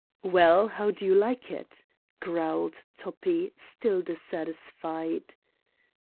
"Well, how do you like it?" growled Toppi, still dissatisfied.